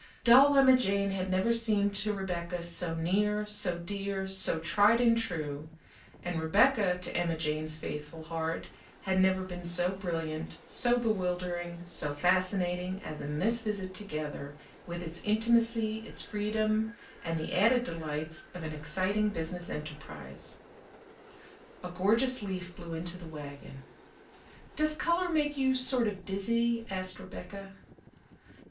Dull Emma Jane had never seemed to Rebecca so near, so dear, so tried and true; and Rebecca, to Emma Jane's faithful heart, had never been so brilliant, so bewildering, so fascinating, as in this visit together, with its intimacy, its freedom, and the added delights of an exciting business enterprise. A gorgeous leaf blew into the wagon. "Does color make you sort of dizzy?" asked Rebecca.